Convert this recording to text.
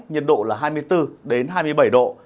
nhiệt độ là hai mươi bốn hai mươi bảy độ